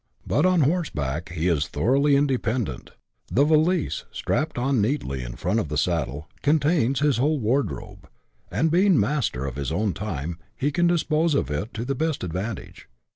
But on horseback he is thoroughly independent : the valise, strapped on neatly in front of the saddle, contains his whole wardrobe ; and, being master of his own time, he can dispose of it to the best advantage.